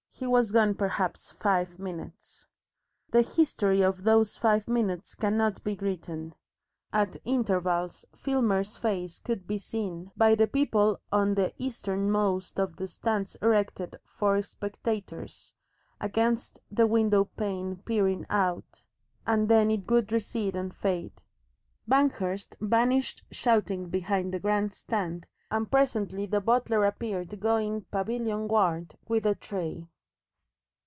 He was gone perhaps five minutes. The history of those five minutes cannot be written. At intervals Filmer's face could be seen by the people on the easternmost of the stands erected for spectators, against the window pane peering out, and then it would recede and fade. Banghurst vanished shouting behind the grand stand, and presently the butler appeared going pavilionward with a tray.